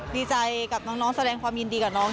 ดีใจกับน้องแสดงความยินดีกับน้อง